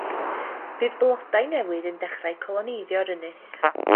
Bydd blodau newydd yn dechrau coloneiddio'r ynys.